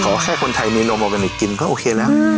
ขอให้คนไทยมีโลออร์แกนิคกินก็โอเคแล้ว